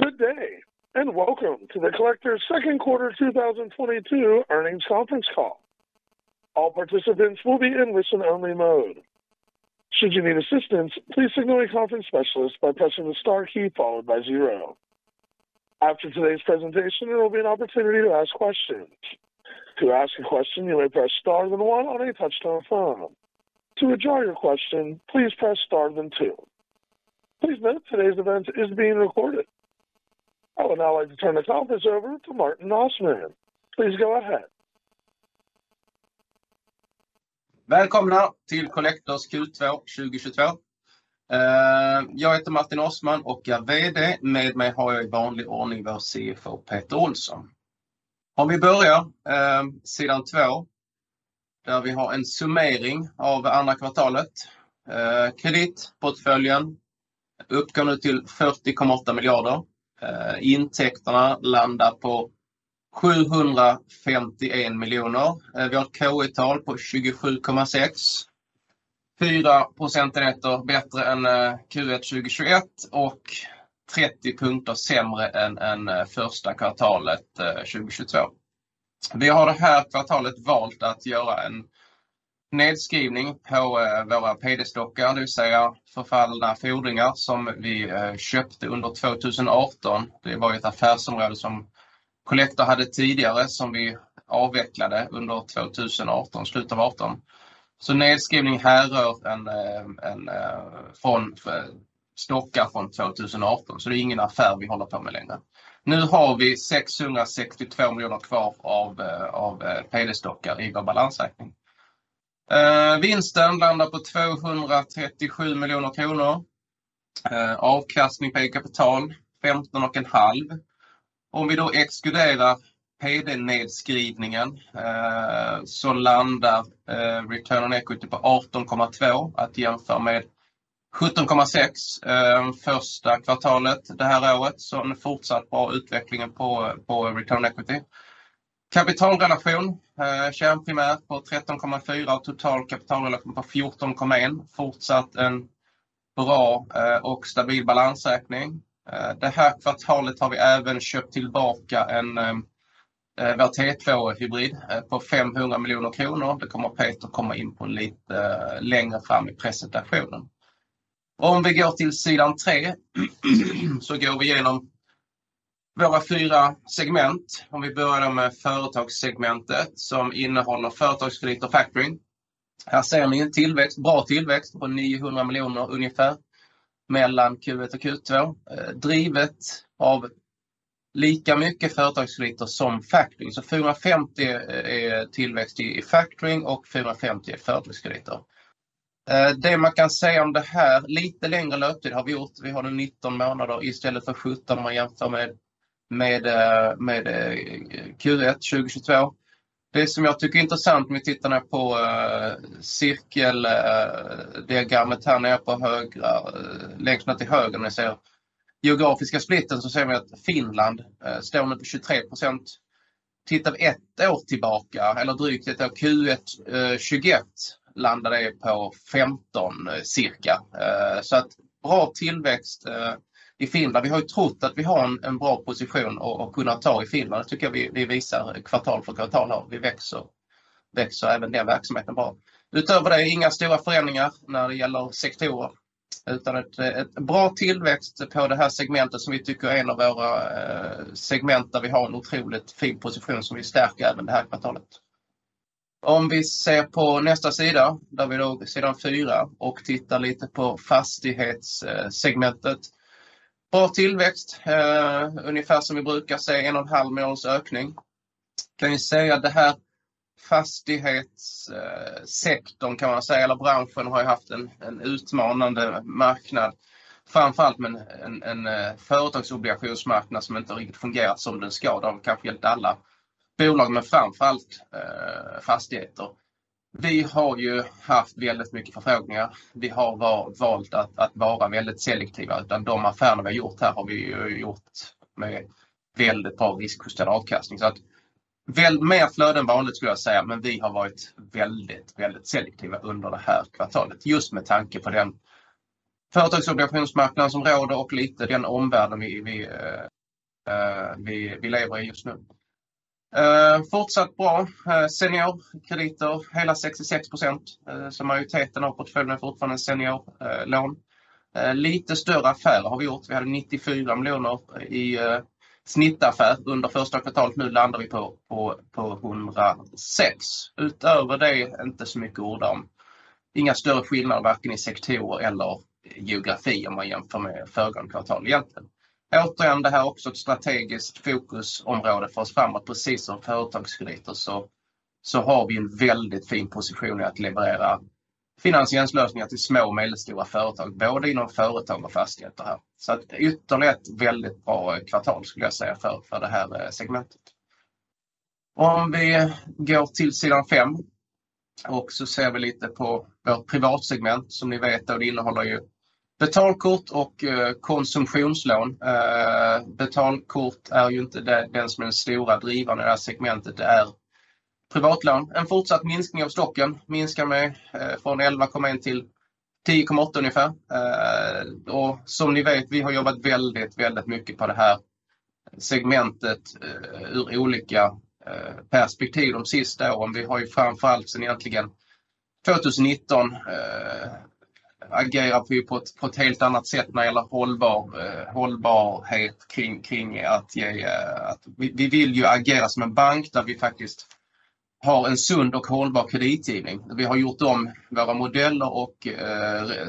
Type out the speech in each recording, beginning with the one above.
Good day and welcome to the Collector's second quarter 2022 earnings conference call. All participants will be in listen-only mode. Should you need assistance, please signal a conference specialist by pressing the star key, followed by zero. After today's presentation, there will be an opportunity to ask questions. To ask a question, you may press star then one on a touch-tone phone. To withdraw your question, please press star then two. Please note today's event is being recorded. I would now like to turn the conference over to Martin Nossman. Please go ahead. Välkomna till Collector Q2 2022. Jag heter Martin Nossman och jag är vd. Med mig har jag i vanlig ordning vår CFO Peter Olsson. Om vi börjar, sidan två, där vi har en summering av andra kvartalet. Kreditportföljen uppgår nu till SEK 40.8 billion. Intäkterna landar på SEK 751 million. Vi har ett K/I-tal på 27.6, 4 procentenheter bättre än Q1 2021 och 30 punkter sämre än första kvartalet 2022. Vi har det här kvartalet valt att göra en nedskrivning på våra PD-stockar, det vill säga förfallna fordringar som vi köpte under 2018. Det var ju ett affärsområde som Collector hade tidigare som vi avvecklade under 2018, slutet av 2018. Så nedskrivning härrör en från stockar från 2018. Så det är ingen affär vi håller på med längre. Nu har vi SEK 662 million kvar av PD-stockar i vår balansräkning. Vinsten landar på SEK 237 miljoner. Avkastning på eget kapital, 15.5%. Om vi då exkluderar PD-nedskrivningen, så landar return on equity på 18.2%. Att jämföra med 17.6%, första kvartalet det här året. Så en fortsatt bra utveckling på return on equity. Kapitalrelation, kärnprimär på 13.4% och total kapitalrelation på 14.1%. Fortsatt en bra och stabil balansräkning. Det här kvartalet har vi även köpt tillbaka vår T2-hybrid på SEK 500 miljoner. Det kommer Peter in på lite längre fram i presentationen. Om vi går till sidan 3 så går vi igenom våra fyra segment. Om vi börjar då med företagssegmentet som innehåller företagskredit och factoring. Här ser ni en tillväxt, bra tillväxt på ungefär SEK 900 miljoner mellan Q1 och Q2. Drivet av lika mycket företagskrediter som factoring. 450 är tillväxt i factoring och 450 är företagskredit. Det man kan säga om det här, lite längre löptid har vi gjort. Vi har nu 19 månader istället för 17 om man jämför med med Q1 2022. Det som jag tycker är intressant om vi tittar på cirkel diagrammet här nere på högra, längst ner till höger. När vi ser geografiska splitten så ser vi att Finland står nu på 23%. Tittar vi ett år tillbaka eller drygt ett år, Q1 2021 landade på 15 cirka. Så att bra tillväxt i Finland. Vi har ju trott att vi har en bra position och kunnat ta i Finland. Det tycker jag vi visar kvartal för kvartal här. Vi växer även den verksamheten bra. Utöver det, inga stora förändringar när det gäller sektorer. Bra tillväxt på det här segmentet som vi tycker är en av våra segment där vi har en otroligt fin position som vi stärker även det här kvartalet. Om vi ser på nästa sida, där vi sidan fyra och tittar lite på fastighetssegmentet. Bra tillväxt, ungefär som vi brukar se, en och en halv månads ökning. Kan säga att det här fastighetssektorn kan man säga eller branschen har haft en utmanande marknad. Framför allt med en företagsobligationsmarknad som inte riktigt fungerat som den ska. Det har kanske hjälpt alla bolag, men framför allt fastigheter. Vi har haft väldigt mycket förfrågningar. Vi har valt att vara väldigt selektiva. De affärer vi har gjort här har vi gjort med väldigt bra riskjusterad avkastning. Mer flöde än vanligt skulle jag säga, men vi har varit väldigt selektiva under det här kvartalet. Just med tanke på den företagsobligationsmarknad som råder och lite den omvärlden vi lever i just nu. Fortsatt bra seniorkrediter, hela 66%. Majoriteten av portföljen är fortfarande seniorlån. Lite större affärer har vi gjort. Vi hade SEK 94 million i snittaffär under första kvartalet. Nu landar vi på SEK 106. Utöver det, inte så mycket att orda om. Inga större skillnader varken i sektorer eller geografi om man jämför med föregående kvartal egentligen. Återigen, det här är också ett strategiskt fokusområde för oss framåt. Precis som företagskrediter har vi en väldigt fin position i att leverera finansieringslösningar till små och medelstora företag, både inom företag och fastigheter här. Ytterst väldigt bra kvartal skulle jag säga för det här segmentet. Om vi går till sidan 5 och ser vi lite på vårt privatsegment. Som ni vet, det innehåller betalkort och konsumtionslån. Betalkort är ju inte den som är den stora drivaren i det här segmentet. Det är privatlån. En fortsatt minskning av stocken minskar från 11.1 till 10.8 ungefär. Och som ni vet, vi har jobbat väldigt mycket på det här segmentet ur olika perspektiv de sista åren. Vi har ju framför allt sedan egentligen 2019 agerat på ett helt annat sätt när det gäller hållbarhet kring att ge. Vi vill ju agera som en bank där vi faktiskt har en sund och hållbar kreditgivning. Vi har gjort om våra modeller och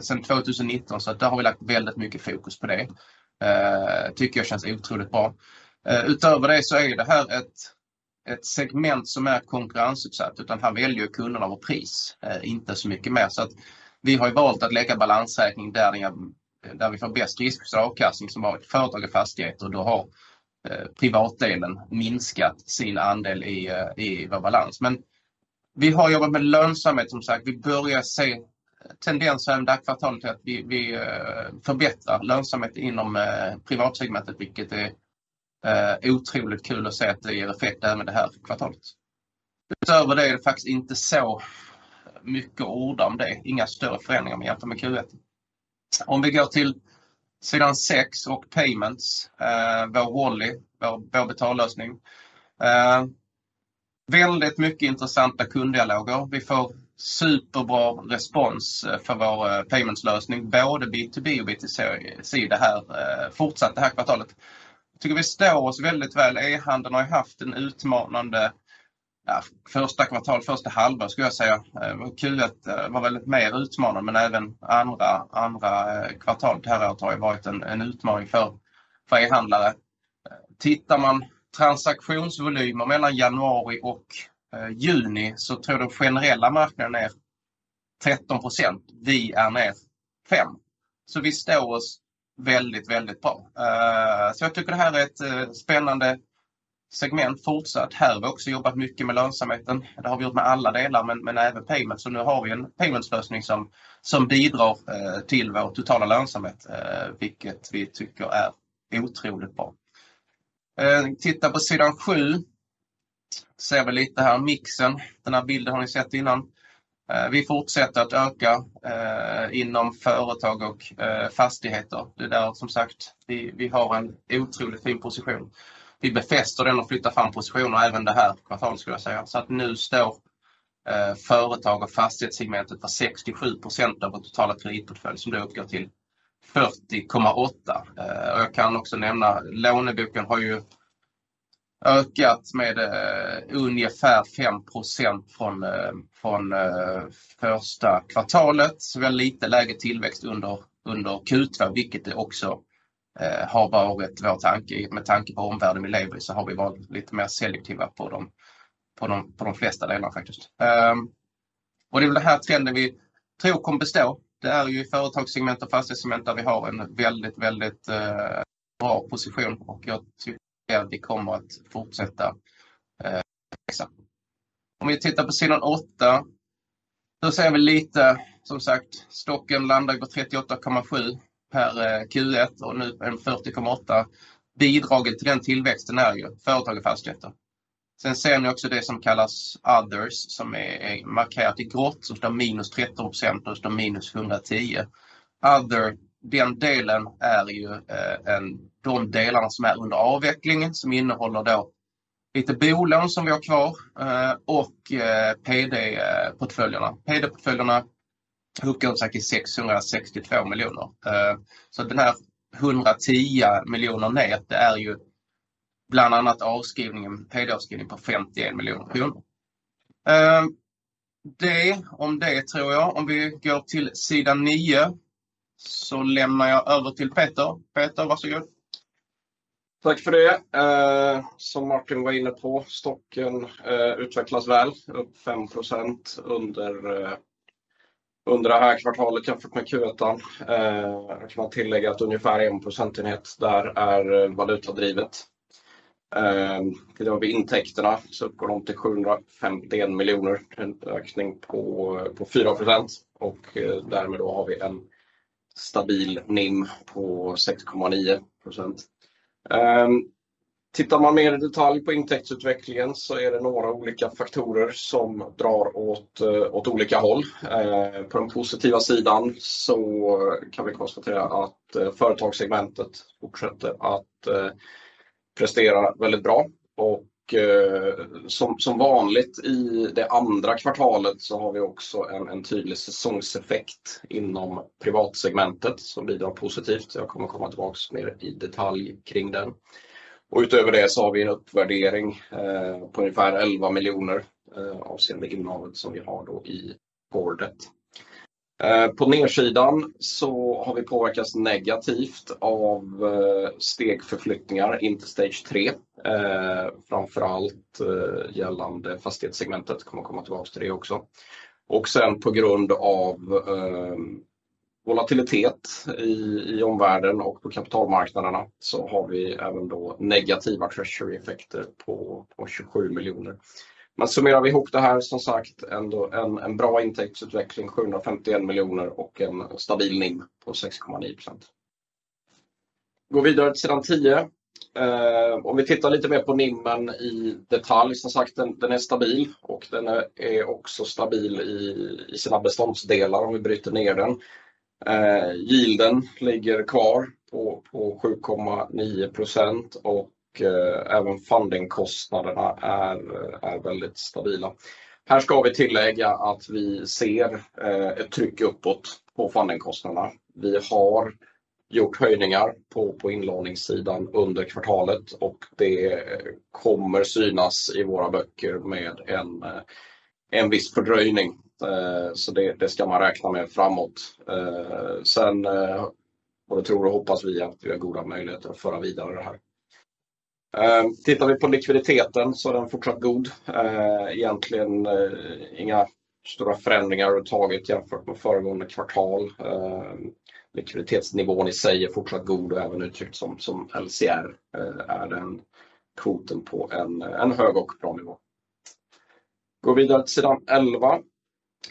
sen 2019. Där har vi lagt väldigt mycket fokus på det. Tycker jag känns otroligt bra. Utöver det är det här ett segment som är konkurrensutsatt. Här väljer ju kunderna vårt pris, inte så mycket mer. Vi har ju valt att lägga balansräkning där vi får bäst risk för avkastning som har ett företag i fastigheter. Då har privatdelen minskat sin andel i vår balans. Vi har jobbat med lönsamhet som sagt, vi börjar se tendenser under kvartalen till att vi förbättrar lönsamhet inom privatsegmentet, vilket är otroligt kul att se att det ger effekt även det här kvartalet. Utöver det är det faktiskt inte så mycket att orda om det. Inga större förändringar jämfört med Q1. Om vi går till sidan 6 och Payments, vår Walley, vår betallösning. Väldigt mycket intressanta kunddialoger. Vi får superbra respons för vår paymentslösning, både B2B och B2C det här, fortsatte det här kvartalet. Tycker vi står oss väldigt väl. E-handeln har ju haft en utmanande, ja första kvartal, första halvår skulle jag säga. Kul att det var väldigt mer utmanande, men även andra kvartal det här året har ju varit en utmaning för e-handlare. Tittar man transaktionsvolymer mellan januari och juni så tror den generella marknaden är 13%. Vi är ner 5. Så vi står oss väldigt bra. Så jag tycker det här är ett spännande segment fortsatt. Här har vi också jobbat mycket med lönsamheten. Det har vi gjort med alla delar, men även payments. Så nu har vi en paymentslösning som bidrar till vår totala lönsamhet, vilket vi tycker är otroligt bra. Titta på sidan 7. Ser vi lite här mixen. Den här bilden har ni sett innan. Vi fortsätter att öka inom företag och fastigheter. Det är där som sagt vi har en otroligt fin position. Vi befäster den och flyttar fram positioner även det här kvartalet skulle jag säga. Nu står företag och fastighetssegmentet för 67% av vår totala kreditportfölj som då uppgår till SEK 40.8 billion. Jag kan också nämna, låneboken har ju ökat med ungefär 5% från första kvartalet. Vi har lite lägre tillväxt under Q2, vilket det också har varit vår tanke. Med tanke på omvärlden vi lever i så har vi varit lite mer selektiva på de flesta delarna faktiskt. Det är den här trenden vi tror kommer bestå. Det är ju i företagssegmentet och fastighetssegment där vi har en väldigt bra position och jag tycker att det kommer att fortsätta växa. Om vi tittar på sidan 8, då ser vi lite som sagt, stocken landar på 38.7 per Q1 och nu en 40.8. Bidraget till den tillväxten är ju företag och fastigheter. Sen ser ni också det som kallas others som är markerat i grått som står -13% och står -SEK 110 million. Other, den delen är ju de delarna som är under avveckling som innehåller då lite bolån som vi har kvar och PD-portföljerna. PD-portföljerna bokar som sagt i SEK 662 million. Så den här 110 miljoner ner, det är ju bland annat avskrivningen, PD-avskrivning på SEK 51 million kronor. Det, om det tror jag. Om vi går till sidan 9 så lämnar jag över till Peter. Peter, varsågod. Tack för det. Som Martin var inne på, stocken utvecklas väl, upp 5% under det här kvartalet jämfört med Q1. Kan man tillägga att ungefär 1 procentenhet där är valutadrivet. Tittar vi intäkterna så uppgår de till SEK 751 million. En ökning på 4% och därmed då har vi en stabil NIM på 6.9%. Tittar man mer i detalj på intäktsutvecklingen så är det några olika faktorer som drar åt olika håll. På den positiva sidan så kan vi konstatera att företagssegmentet fortsätter att prestera väldigt bra. Som vanligt i det andra kvartalet så har vi också en tydlig säsongseffekt inom privatsegmentet som bidrar positivt. Jag kommer att komma tillbaka mer i detalj kring den. Utöver det så har vi en uppvärdering på ungefär SEK 11 million avseende derivatet som vi har då i boken. På nedsidan så har vi påverkats negativt av stegförflyttningar in till Stage 3. Framför allt gällande fastighetssegmentet. Kommer att komma tillbaka till det också. På grund av volatilitet i omvärlden och på kapitalmarknaderna så har vi även då negativa treasuryeffekter på SEK 27 million. Summerar vi ihop det här som sagt, ändå en bra intäktsutveckling, SEK 751 million och en stabil NIM på 6.9%. Gå vidare till sidan 10. Om vi tittar lite mer på NIM i detalj. Som sagt, den är stabil och den är också stabil i sina beståndsdelar om vi bryter ner den. Yielden ligger kvar på 7.9% och även fundingkostnaderna är väldigt stabila. Här ska vi tillägga att vi ser ett tryck uppåt på fundingkostnaderna. Vi har gjort höjningar på inlåningssidan under kvartalet och det kommer synas i våra böcker med en viss fördröjning. Så det ska man räkna med framåt. Sen både tror och hoppas vi att vi har goda möjligheter att föra vidare det här. Tittar vi på likviditeten så är den fortsatt god. Egentligen inga stora förändringar överhuvudtaget jämfört med föregående kvartal. Likviditetsnivån i sig är fortsatt god och även uttryckt som LCR är den kvoten på en hög och bra nivå. Går vidare till sidan 11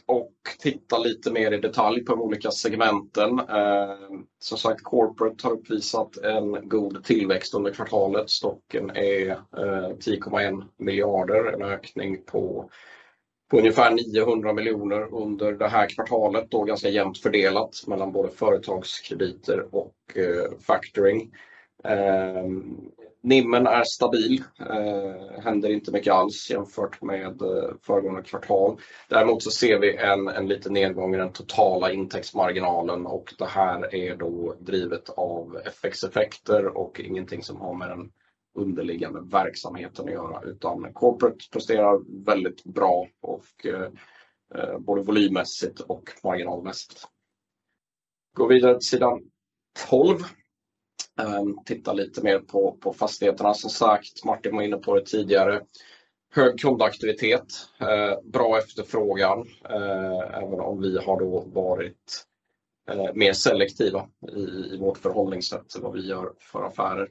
och tittar lite mer i detalj på de olika segmenten. Som sagt, Corporate har uppvisat en god tillväxt under kvartalet. Stocken är SEK 10.1 miljarder, en ökning på ungefär SEK 900 miljoner under det här kvartalet. Då ganska jämnt fördelat mellan både företagskrediter och factoring. NIM är stabil. Händer inte mycket alls jämfört med föregående kvartal. Däremot så ser vi en liten nedgång i den totala intäktsmarginalen och det här är då drivet av FX-effekter och ingenting som har med den underliggande verksamheten att göra. Utan Corporate presterar väldigt bra och både volymmässigt och marginalmässigt. Går vidare till sidan 12. Tittar lite mer på fastigheterna. Som sagt, Martin var inne på det tidigare. Hög kundaktivitet, bra efterfrågan, även om vi har då varit mer selektiva i vårt förhållningssätt till vad vi gör för affärer.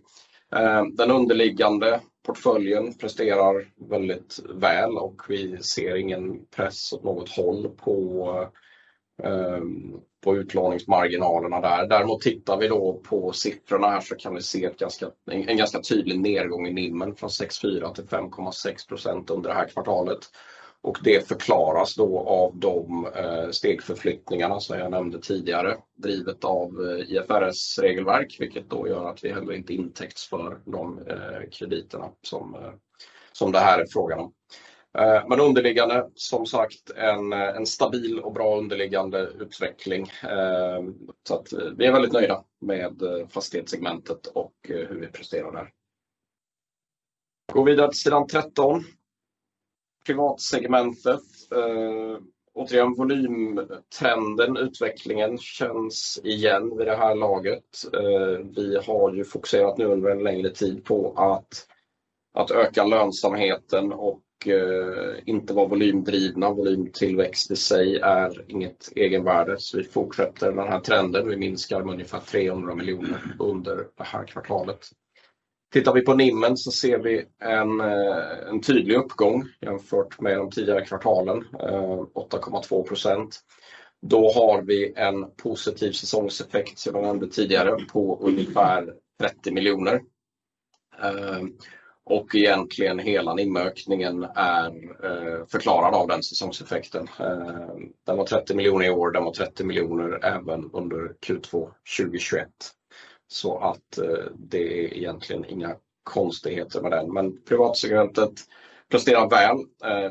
Den underliggande portföljen presterar väldigt väl och vi ser ingen press åt något håll på utlåningsmarginalerna där. Däremot tittar vi då på siffrorna här så kan vi se en ganska tydlig nedgång i NIM från 6.4 till 5.6% under det här kvartalet. Det förklaras då av de stegförflyttningarna som jag nämnde tidigare, drivet av IFRS-regelverk, vilket då gör att vi heller inte intäktsför de krediterna som det här är frågan om. Men underliggande, som sagt, en stabil och bra underliggande utveckling. Så att vi är väldigt nöjda med fastighetssegmentet och hur vi presterar där. Går vidare till sidan 13. Privatsegmentet. Återigen volymtrenden, utvecklingen känns igen vid det här laget. Vi har ju fokuserat nu under en längre tid på att öka lönsamheten och inte vara volymdrivna. Volymtillväxt i sig är inget egenvärde, så vi fortsätter med den här trenden. Vi minskar med ungefär SEK 300 miljoner under det här kvartalet. Tittar vi på NIM så ser vi en tydlig uppgång jämfört med de tidigare kvartalen, 8.2%. Då har vi en positiv säsongseffekt som jag nämnde tidigare på ungefär SEK 30 miljoner. Egentligen hela NIM-ökningen är förklarad av den säsongseffekten. Den var SEK 30 million i år, den var SEK 30 million även under Q2 2021. Det är egentligen inga konstigheter med den. Men privatsegmentet presterar väl.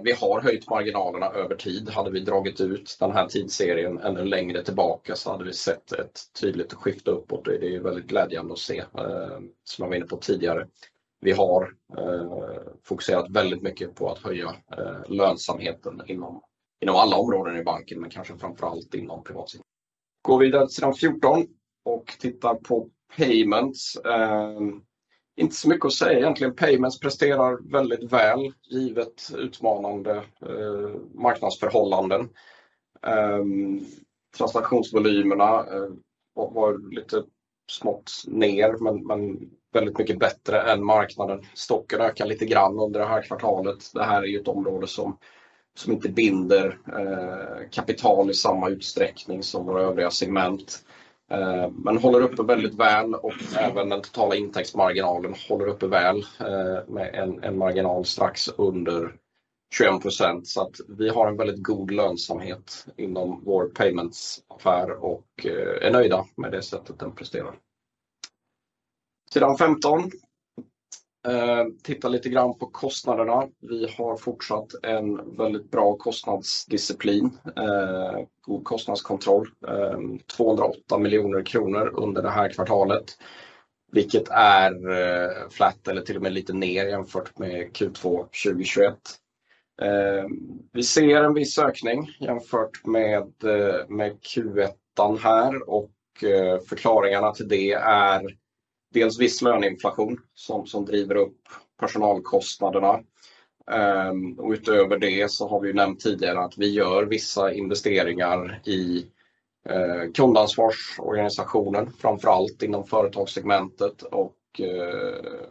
Vi har höjt marginalerna över tid. Hade vi dragit ut den här tidsserien ännu längre tillbaka så hade vi sett ett tydligt skifte uppåt. Det är väldigt glädjande att se, som jag var inne på tidigare. Vi har fokuserat väldigt mycket på att höja lönsamheten inom alla områden i banken, men kanske framför allt inom privat. Går vidare till sidan 14 och tittar på Payments. Inte så mycket att säga egentligen. Payments presterar väldigt väl givet utmanande marknadsförhållanden. Transaktionsvolymerna var lite smått ner men väldigt mycket bättre än marknaden. Stocken ökar lite grann under det här kvartalet. Det här är ju ett område som inte binder kapital i samma utsträckning som våra övriga segment. Men håller uppe väldigt väl och även den totala intäktsmarginalen håller uppe väl med en marginal strax under 21%. Vi har en väldigt god lönsamhet inom vår payments-affär och är nöjda med det sättet den presterar. Sida 15. Tittar lite grann på kostnaderna. Vi har fortsatt en väldigt bra kostnadsdisciplin, god kostnadskontroll. SEK 208 million under det här kvartalet, vilket är flat eller till och med lite ner jämfört med Q2 2021. Vi ser en viss ökning jämfört med Q1 här och förklaringarna till det är dels viss löneinflation som driver upp personalkostnaderna. Och utöver det så har vi ju nämnt tidigare att vi gör vissa investeringar i kundansvarsorganisationen, framför allt inom företagssegmentet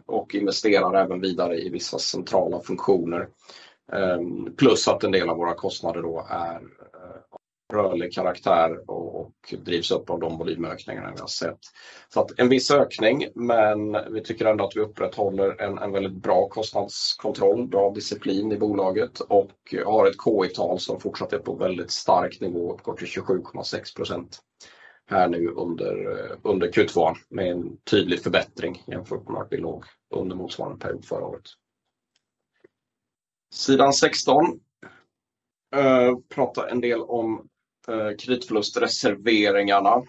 och investerar även vidare i vissa centrala funktioner. Plus att en del av våra kostnader då är rörlig karaktär och drivs upp av de volymökningarna vi har sett. Så att en viss ökning, men vi tycker ändå att vi upprätthåller en väldigt bra kostnadskontroll, bra disciplin i bolaget och har ett K/I-tal som fortsätter på väldigt stark nivå uppåt 27.6% här nu under Q2 med en tydlig förbättring jämfört med att det låg under motsvarande period förra året. Page 16. Pratar en del om kreditförlustreserveringarna.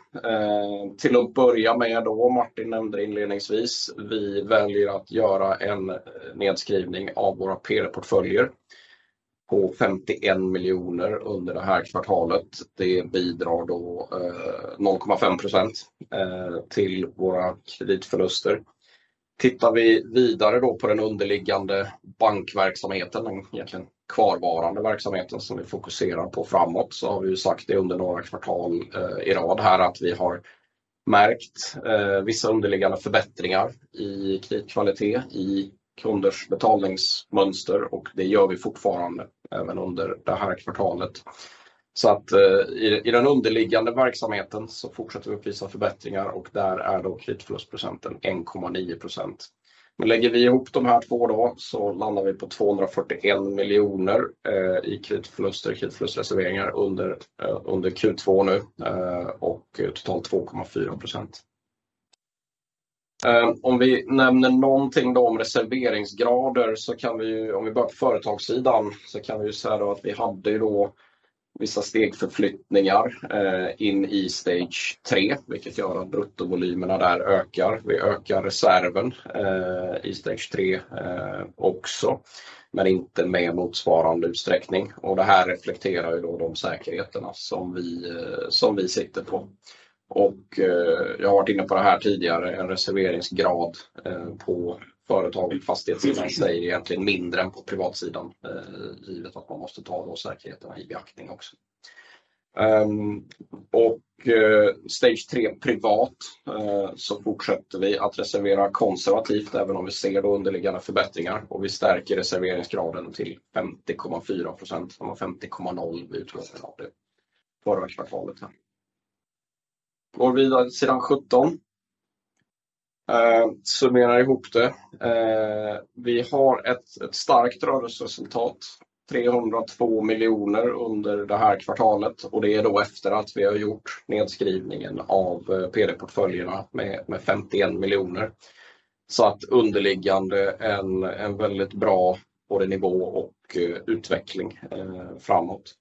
Till att börja med då Martin nämnde inledningsvis, vi väljer att göra en nedskrivning av våra PR-portföljer på SEK 51 million under det här kvartalet. Det bidrar då 0.5% till våra kreditförluster. Tittar vi vidare då på den underliggande bankverksamheten, egentligen kvarvarande verksamheten som vi fokuserar på framåt. Vi har sagt det under några kvartal i rad här att vi har märkt vissa underliggande förbättringar i kreditkvalitet i kunders betalningsmönster och det gör vi fortfarande även under det här kvartalet. I den underliggande verksamheten så fortsätter vi uppvisa förbättringar och där är då kreditförlustprocenten 1.9%. Lägger vi ihop de här två då så landar vi på SEK 241 miljoner i kreditförluster, kreditförlustreserveringar under Q2 nu och totalt 2.4%. Vi nämner någonting då om reserveringsgrader så kan vi, om vi börjar på företagssidan, så kan vi säga då att vi hade ju då vissa stegförflyttningar in i Stage 3, vilket gör att bruttovolymerna där ökar. Vi ökar reserven i Stage 3 också, men inte med motsvarande utsträckning. Det här reflekterar ju då de säkerheterna som vi sitter på. Jag har varit inne på det här tidigare, en reserveringsgrad på företag- och fastighetssidan i sig är egentligen mindre än på privatsidan, givet att man måste ta då säkerheterna i beaktning också. Stage 3 privat så fortsätter vi att reservera konservativt även om vi ser då underliggande förbättringar och vi stärker reserveringsgraden till 54%. Den var 50,0% i utgångspunkten av det föregående kvartalet. Går vidare sidan 17. Summerar ihop det. Vi har ett starkt rörelseresultat, SEK 302 million under det här kvartalet och det är då efter att vi har gjort nedskrivningen av PD-portföljerna med SEK 51 million. Så att underliggande en väldigt bra både nivå och utveckling framåt.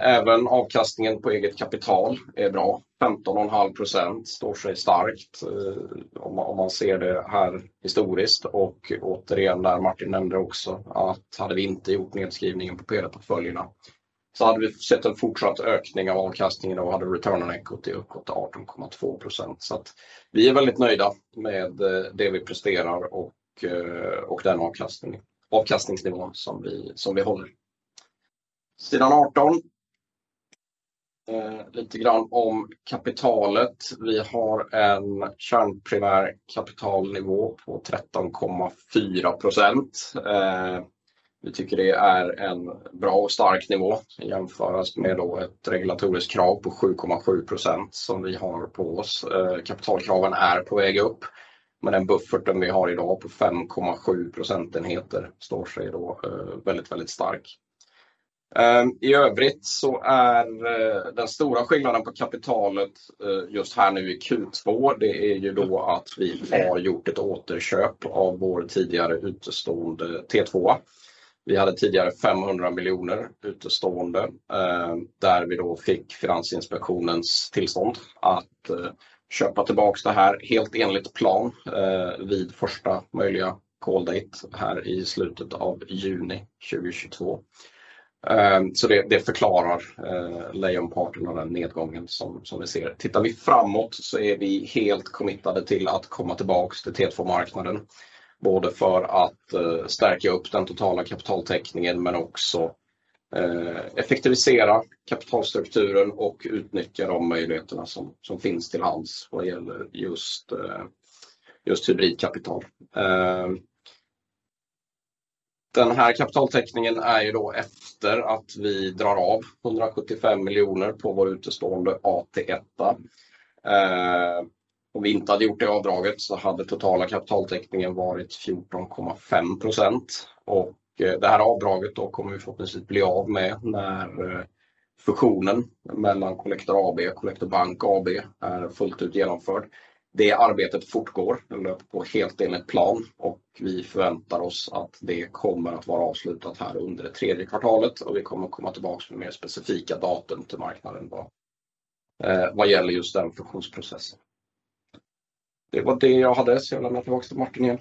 Även avkastningen på eget kapital är bra. 15.5% står sig starkt om man ser det här historiskt. Återigen, det här Martin nämnde också att hade vi inte gjort nedskrivningen på PD-portföljerna så hade vi sett en fortsatt ökning av avkastningen och hade return on equity uppåt 18.2%. Vi är väldigt nöjda med det vi presterar och den avkastningsnivån som vi håller. Sida 18. Lite grann om kapitalet. Vi har en kärnprimär kapitalnivå på 13.4%. Vi tycker det är en bra och stark nivå. Jämföras med då ett regulatoriskt krav på 7.7% som vi har på oss. Kapitalkraven är på väg upp, men den bufferten vi har i dag på 5.7 procentenheter står sig då väldigt stark. I övrigt så är den stora skillnaden på kapitalet just här nu i Q2. Det är ju då att vi har gjort ett återköp av vår tidigare utestående T2. Vi hade tidigare SEK 500 miljoner utestående, där vi då fick Finansinspektionens tillstånd att köpa tillbaka det här helt enligt plan vid första möjliga call date här i slutet av juni 2022. Det förklarar lejonparten av den nedgången som vi ser. Tittar vi framåt så är vi helt committed till att komma tillbaka till T2-marknaden, både för att stärka upp den totala kapitaltäckningen men också effektivisera kapitalstrukturen och utnyttja de möjligheterna som finns till hands vad gäller just hybridkapital. Den här kapitaltäckningen är ju då efter att vi drar av SEK 175 miljoner på vår utestående AT1. Om vi inte hade gjort det avdraget så hade totala kapitaltäckningen varit 14.5%. Det här avdraget då kommer vi förhoppningsvis bli av med när fusionen mellan Collector AB och Collector Bank AB är fullt ut genomförd. Det arbetet fortgår helt enligt plan och vi förväntar oss att det kommer att vara avslutat här under det tredje kvartalet och vi kommer att komma tillbaka med mer specifika datum till marknaden då vad gäller just den fusionsprocessen. Det var det jag hade, så jag lämnar tillbaka till Martin igen.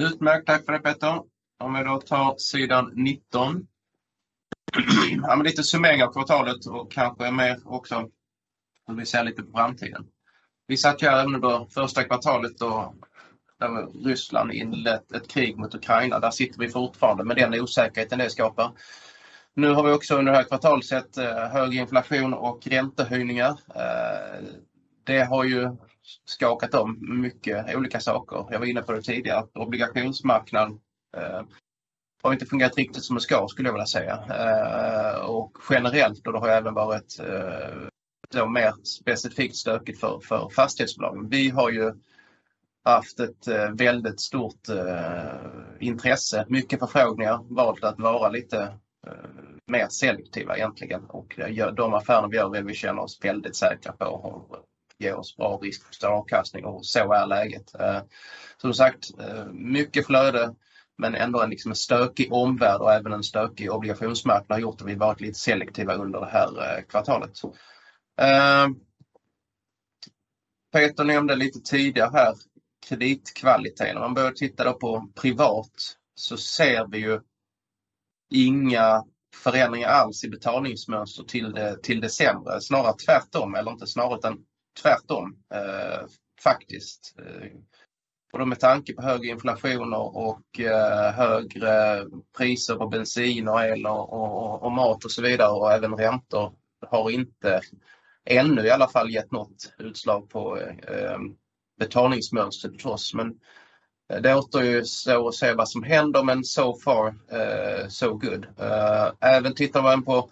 Utmärkt, tack för det Peter. Om vi då tar sidan 19. Ja men lite summering av kvartalet och kanske mer också om vi ser lite på framtiden. Vi satt ju här även då första kvartalet då när Ryssland inlett ett krig mot Ukraina. Där sitter vi fortfarande med den osäkerheten det skapar. Nu har vi också under det här kvartalet sett hög inflation och räntehöjningar. Det har ju skakat om mycket olika saker. Jag var inne på det tidigare. Obligationsmarknaden har inte fungerat riktigt som det ska skulle jag vilja säga. Och generellt då det har även varit mer specifikt stökigt för fastighetsbolagen. Vi har ju haft ett väldigt stort intresse, mycket förfrågningar. Vi har valt att vara lite mer selektiva egentligen. De affärer vi gör är de vi känner oss väldigt säkra på och ger oss bra riskjusterad avkastning och så är läget. Som sagt, mycket flöde men ändå en stökig omvärld och även en stökig obligationsmarknad har gjort att vi varit lite selektiva under det här kvartalet. Peter nämnde lite tidigare här kreditkvaliteten. Om man börjar titta då på privat så ser vi ju inga förändringar alls i betalningsmönster till december. Snarare tvärtom faktiskt. Både med tanke på hög inflation och högre priser på bensin och el och mat och så vidare. Och även räntor har inte ännu i alla fall gett något utslag på betalningsmönstret för oss. Men det återstår ju att se vad som händer, men so far so good. Även tittar man på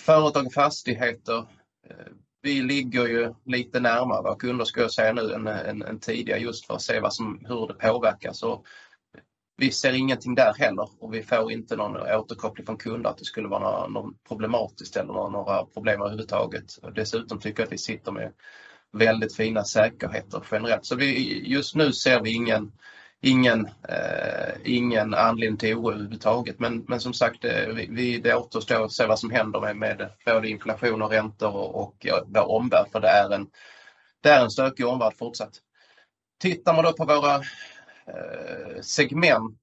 företag och fastigheter. Vi ligger ju lite närmare våra kunder ska jag säga nu än tidigare just för att se vad som, hur det påverkas. Vi ser ingenting där heller och vi får inte någon återkoppling från kunder att det skulle vara något problematiskt eller några problem överhuvudtaget. Dessutom tycker jag att vi sitter med väldigt fina säkerheter generellt. Vi just nu ser vi ingen anledning till oro överhuvudtaget. Men som sagt, vi det återstår att se vad som händer med både inflation och räntor och vår omvärld. Det är en stökig omvärld fortsatt. Tittar man då på våra segment.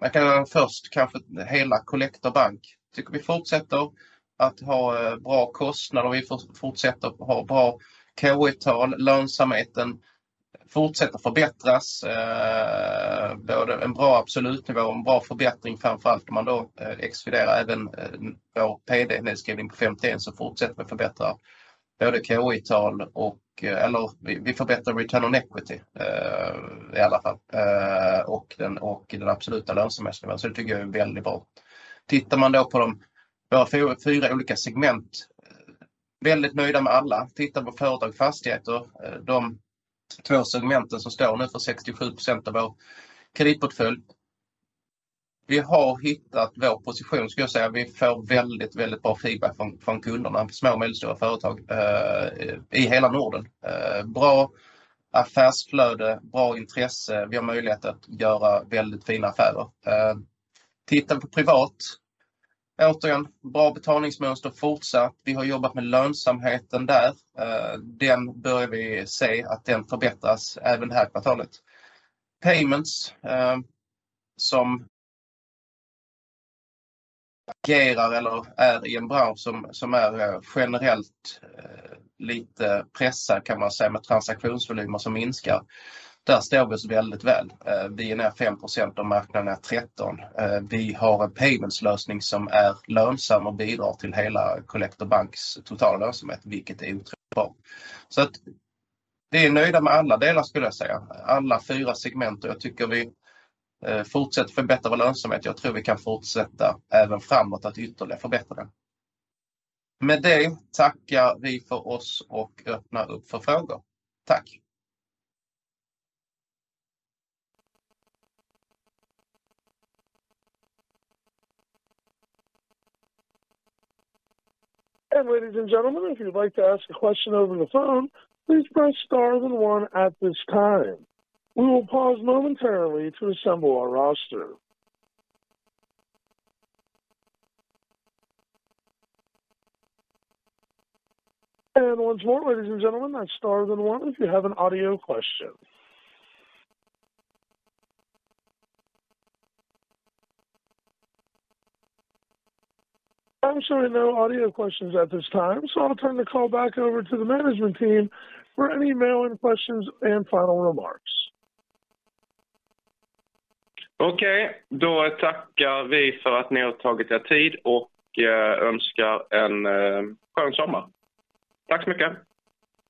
Man kan först kanske hela Collector Bank tycker vi fortsätter att ha bra kostnader. Vi fortsätter att ha bra K/I-tal. Lönsamheten fortsätter förbättras. Både en bra absolut nivå och en bra förbättring, framför allt om man då exkluderar även vår PD-nedskrivning på Stage 3, så fortsätter vi att förbättra både K/I-tal och eller vi förbättrar Return on Equity i alla fall. Absoluta lönsamheten. Det tycker jag är väldigt bra. Tittar man då på våra fyra olika segment. Väldigt nöjda med alla. Tittar man på företag och fastigheter, de två segmenten som står nu för 67% av vår kreditportfölj. Vi har hittat vår position skulle jag säga. Vi får väldigt bra feedback från kunderna, små och medelstora företag i hela Norden. Bra affärsflöde, bra intresse. Vi har möjlighet att göra väldigt fina affärer. Tittar vi på privat. Återigen, bra betalningsmönster fortsatt. Vi har jobbat med lönsamheten där. Den börjar vi se att den förbättras även det här kvartalet. Payments som agerar eller är i en bransch som är generellt lite pressad kan man säga med transaktionsvolymer som minskar. Där står vi oss väldigt väl. Vi är ner 5% och marknaden är 13. Vi har en paymentslösning som är lönsam och bidrar till hela Collector Bank totala lönsamhet, vilket är otroligt bra. att vi är nöjda med alla delar skulle jag säga. Alla fyra segment. Jag tycker vi fortsätter förbättra vår lönsamhet. Jag tror vi kan fortsätta även framåt att ytterligare förbättra den. Med det tackar vi för oss och öppnar upp för frågor. Tack. Ladies and gentlemen, if you'd like to ask a question over the phone, please press star, then one at this time. We will pause momentarily to assemble our roster. Once more, ladies and gentlemen, press star, then one if you have an audio question. I'm showing no audio questions at this time, so I'll turn the call back over to the management team for any email questions and final remarks. Okej, då tackar vi för att ni har tagit er tid och önskar en skön sommar. Tack så mycket.